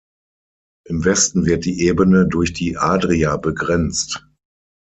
Im Westen wird die Ebene durch die Adria begrenzt.